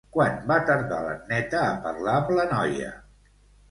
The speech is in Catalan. Quant va tardar l'Anneta a parlar amb la noia?